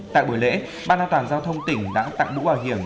tại buổi lễ ban an toàn giao thông tỉnh đã tặng mũ bảo hiểm